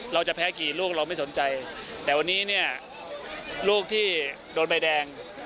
เราจะแพ้กี่ลูกเราไม่สนใจแต่วันนี้เนี่ยลูกที่โดนใบแดง